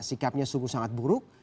sikapnya sungguh sangat buruk